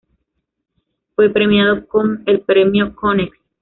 Fue premiado con el Premio Konex.